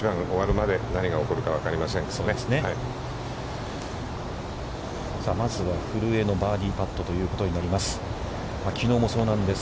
まずは古江のバーディーパットということになります。